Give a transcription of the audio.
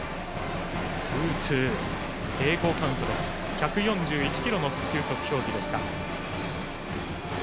１４１キロの球速表示でした。